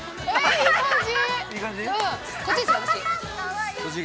◆いい感じ？